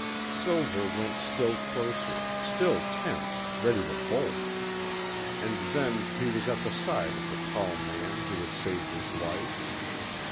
Silver went still closer, still tense, ready to bolt. And then he was at the side of the tall man who had saved his life.